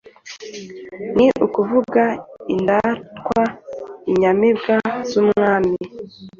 ni ukuvuga indatwa inyamibwa zumwami,